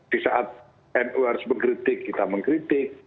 di saat nu harus mengkritik kita mengkritik